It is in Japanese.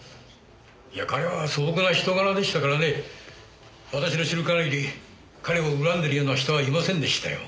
いや彼は素朴な人柄でしたからね私の知る限り彼を恨んでるような人はいませんでしたよ。